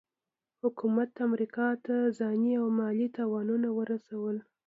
حکومت امریکا ته ځاني او مالي تاوانونه ورسول.